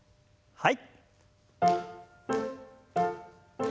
はい。